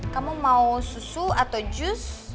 kamu mau susu atau jus